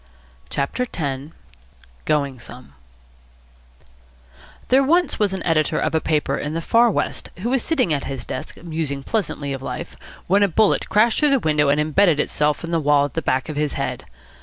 CHAPTER X GOING SOME There was once an editor of a paper in the Far West who was sitting at his desk, musing pleasantly of life, when a bullet crashed through the window and embedded itself in the wall at the back of his head.